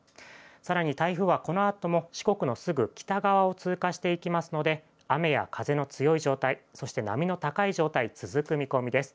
さらに台風は、このあとも四国のすぐ北側を通過していきますので、雨や風の強い状態、そして、波の高い状態が続く見込みです。